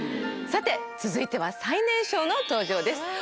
さて続いては最年少の登場です。